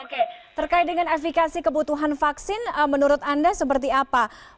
oke terkait dengan efekasi kebutuhan vaksin menurut anda seperti apa